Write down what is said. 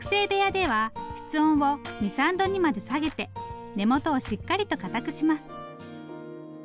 部屋では室温を２３度にまで下げて根元をしっかりとかたくします。